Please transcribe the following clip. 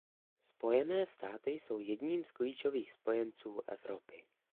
Spojené státy jsou jedním z klíčových spojenců Evropy.